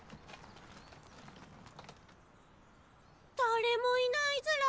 誰もいないずら。